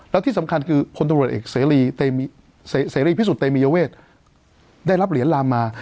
แล้วที่สำคัญคือพลตำรวจเอกเสรีพิสุทธิเตมียเวทได้รับเหรียญลามมา